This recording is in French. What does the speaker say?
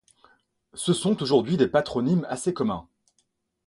Ce sont aujourd'hui des patronymes assez communs.